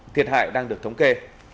thiệt hại đang được thống kê